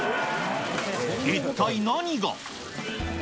一体何が？